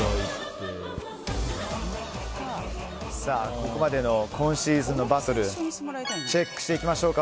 ここまでの今シーズンのバトルチェックしていきましょうか。